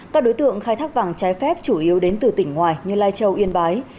các đối tượng khai thác vàng trái phép chủ yếu đến từ tỉnh ngoài như lai châu yên bái